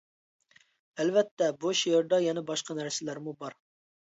ئەلۋەتتە، بۇ شېئىردا يەنە باشقا نەرسىلەرمۇ بار.